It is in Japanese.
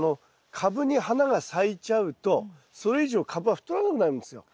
カブに花が咲いちゃうとそれ以上カブは太らなくなるんですよ。